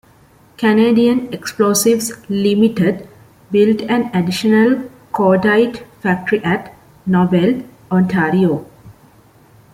Canadian Explosives Limited built an additional cordite factory at Nobel, Ontario.